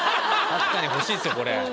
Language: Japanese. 確かに欲しいっすよこれ。